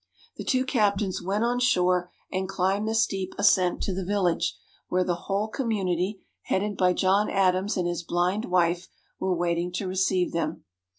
The two captains went on shore, and climbed the steep ascent to the village, where the whole community, headed by John Adams and his blind wife, were waiting to receive them.